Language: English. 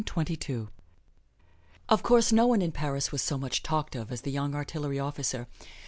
Of course, no one in Paris was so much talked of as the young artillery officer.